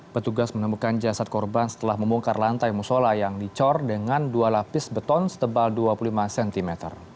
petugas menemukan jasad korban setelah membongkar lantai musola yang dicor dengan dua lapis beton setebal dua puluh lima cm